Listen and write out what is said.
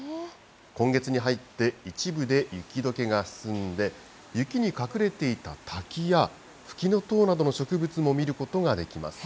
今月に入って、一部で雪どけが進んで、雪に隠れていた滝や、フキノトウなどの植物も見ることができます。